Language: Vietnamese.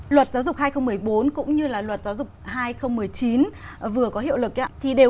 luật giáo dục hai nghìn một mươi bốn cũng như luật giáo dục hai nghìn một mươi chín vừa có hiệu lực ạ